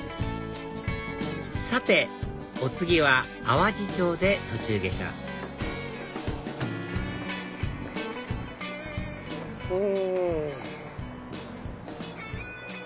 さてお次は淡路町で途中下車うん。